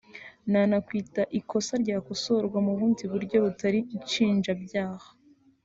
nanakwita ikosa ryakosorwa mu bundi buryo butari nshinjabyaha